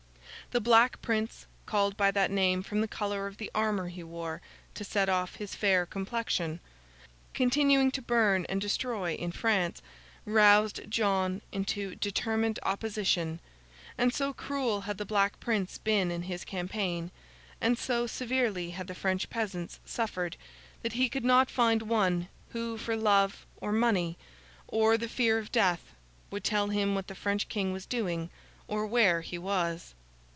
The Black Prince, called by that name from the colour of the armour he wore to set off his fair complexion, continuing to burn and destroy in France, roused John into determined opposition; and so cruel had the Black Prince been in his campaign, and so severely had the French peasants suffered, that he could not find one who, for love, or money, or the fear of death, would tell him what the French King was doing, or where he was.